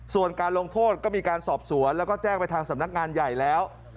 ส่วนการลงโทษก็มีการสอบสวนแล้วก็แจ้งไปทางสำนักงานใหญ่แล้ว